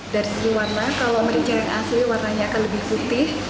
dari sisi warna kalau merica yang asli warnanya akan lebih putih